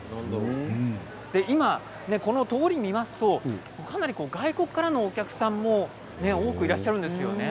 今通りを見るとかなり外国からのお客さんも多くいらっしゃるんですよね。